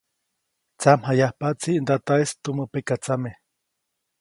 Tsamjayajpaʼtsi ndataʼis tumä pekatsame.